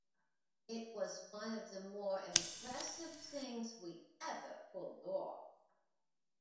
It was one of the more impressive things we ever pulled off.